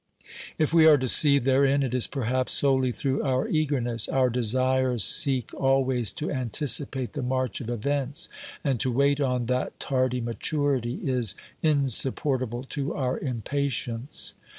If we are deceived therein, it is perhaps solely through our eagerness. Our desires seek always to anticipate the march of events, and to wait on that tardy maturity is insupportable to our impatience.